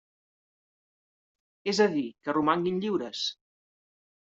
És a dir, que romanguin lliures.